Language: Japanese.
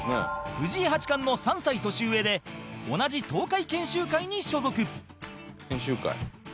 藤井八冠の３歳年上で同じ東海研修会に所属伊達：研修会。